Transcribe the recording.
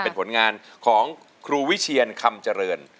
เป็นผลงานของครูวิเชียนคำเจริญ